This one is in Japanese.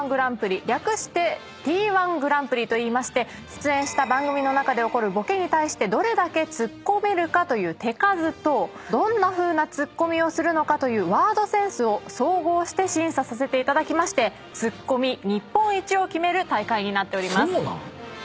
出演した番組の中で起こるボケに対してどれだけツッコめるかという手数とどんなふうなツッコミをするのかというワードセンスを総合して審査させていただきツッコミ日本一を決める大会になっております。